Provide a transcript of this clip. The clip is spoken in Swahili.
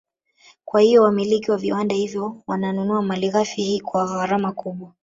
Kwa hiyo wamiliki wa viwanda hivyo wananunua Malighafi hii kwa gharama kubwa